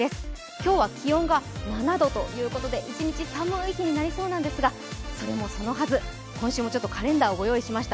今日は気温が７度ということで一日寒い日になりそうなんですがそれもそのはず、今週もカレンダーをご用意しました。